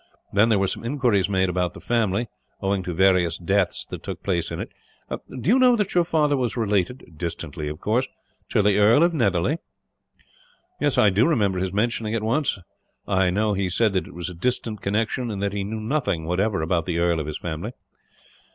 Then there were some inquiries made about the family, owing to various deaths that took place in it. Do you know that your father was related distantly of course to the Earl of Netherly?" "I do remember his mentioning it, once. I know he said that it was a distant connection; and that he knew nothing, whatever, about the earl or his family."